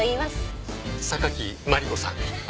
榊マリコさん。